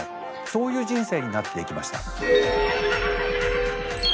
そういう人生になっていきました。